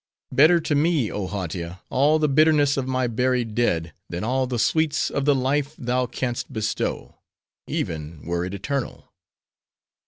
"Better to me, oh Hautia! all the bitterness of my buried dead, than all the sweets of the life thou canst bestow; even, were it eternal."